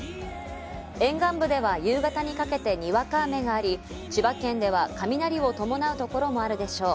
沿岸部では夕方にかけてにわか雨があり、千葉県では雷を伴うところもあるでしょう。